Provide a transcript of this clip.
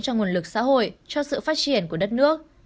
cho nguồn lực xã hội cho sự phát triển của đất nước